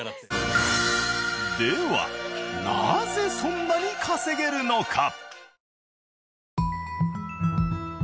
ではなぜそんなに稼げるのか？